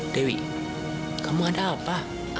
dewi kamu ada apa